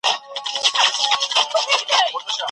قلمي خط د فکرونو د ساتلو خوندي لاره ده.